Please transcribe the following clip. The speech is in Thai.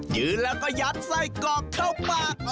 ยืนแล้วก็ยัดไส้กรอกเข้าปาก